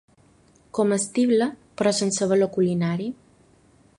Comestible però sense valor culinari.